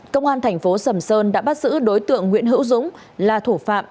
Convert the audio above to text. công an thành phố sầm sơn đã bắt giữ đối tượng nguyễn hữu dũng là thủ phạm